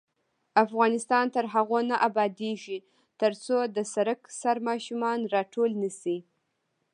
افغانستان تر هغو نه ابادیږي، ترڅو د سړک سر ماشومان راټول نشي.